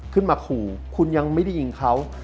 ขึ้นมาขู่คุณยังไม่ได้ยิงเขา